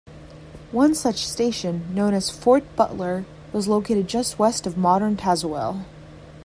One such station, known as Fort Butler, was located just west of modern Tazewell.